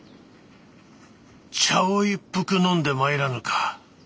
茶を一服飲んでまいらぬか？